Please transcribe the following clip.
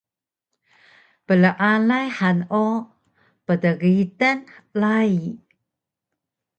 Plealay han o pdgitan rayi